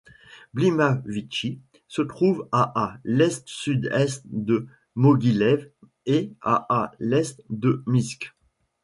Klimavitchy se trouve à à l'est-sud-est de Moguilev et à à l'est de Minsk.